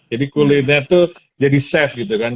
jadi kulitnya tuh jadi safe gitu kan